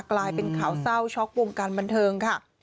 กลายเป็นข่าวเศร้าช็อกวงการบันเทิงค่ะ